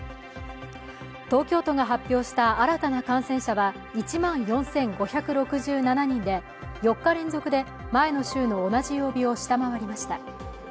東京都が発表した新たな感染者は１万４５６７人で４日連続で前の週の同じ曜日を下回りました。